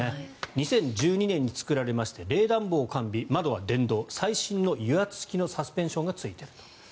２０１２年に作られまして冷暖房完備、窓は電動最新の油圧式のサスペンションがついていると。